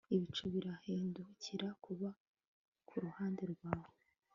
ibicu birahindukira kuba kuruhande rwawe